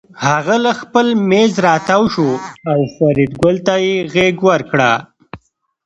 هغه له خپل مېز راتاو شو او فریدګل ته یې غېږ ورکړه